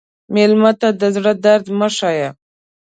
مېلمه ته د زړه درد مه ښیې.